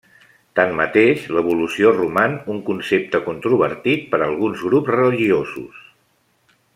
Tanmateix, l'evolució roman un concepte controvertit per alguns grups religiosos.